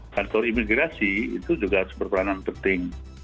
kantor imigrasi itu juga sepertuanan penting